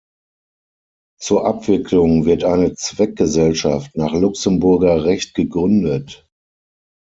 Zur Abwicklung wird eine Zweckgesellschaft nach Luxemburger Recht gegründet.